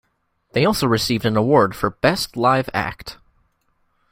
They also received an award for "Best Live Act".